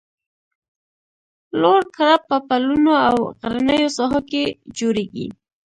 لوړ کرب په پلونو او غرنیو ساحو کې جوړیږي